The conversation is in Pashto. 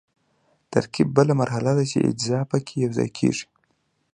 ترکیب بله مرحله ده چې اجزا پکې یوځای کیږي.